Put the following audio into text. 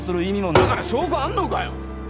だから証拠はあんのかよ！